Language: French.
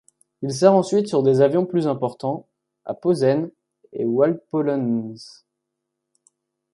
Il sert ensuite sur des avions plus importants à Posen et Waldpolenz.